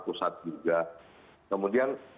pusat juga kemudian